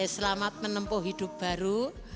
selamat menempuh hidup baru